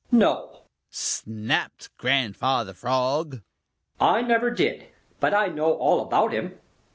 "No!" snapped Grandfather Frog. "I never did, but I know all about him.